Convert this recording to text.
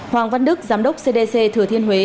hoàng văn đức giám đốc cdc thừa thiên huế